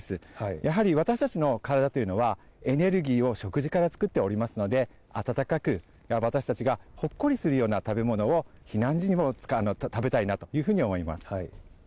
やはり私たちの体というのは、エネルギーを食事から作っておりますので、あたたかく、私たちがほっこりするような食べ物を避難時にも食べたいなというふうに思います。